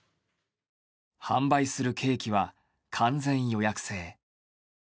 販売するケーキは完全予約制。